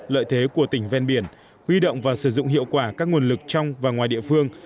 lợi thế của tỉnh ven biển huy động và sử dụng hiệu quả các nguồn lực trong và ngoài địa phương